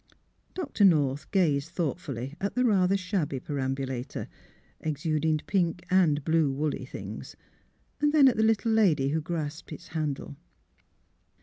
Dr. North gazed thoughtfully at the rather shabby perambulator, exuding pink and blue woolly things ; then at the little lady who grasped its handle.